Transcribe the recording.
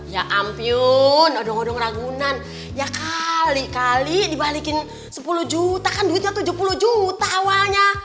ya ampun odong odong ragunan ya kali kali dibalikin sepuluh juta kan duitnya tujuh puluh juta awalnya